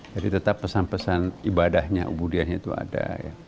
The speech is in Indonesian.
jadi tetap pesan pesan ibadahnya ubudiannya itu ada